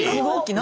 何？